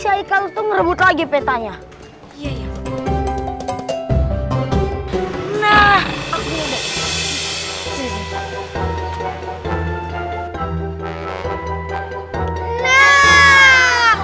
hai kaltu ngerebut lagi petanya ya ya nah aku udah